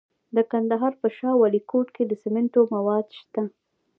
د کندهار په شاه ولیکوټ کې د سمنټو مواد شته.